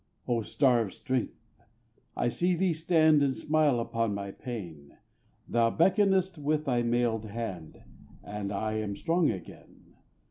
O star of strength! I see thee stand And smile upon my pain; Thou beckonest with thy mailed hand, And I am strong again.